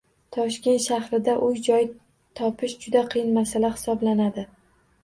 Toshkent shahrida uy joy topish juda qiyin masala hisoblanadi.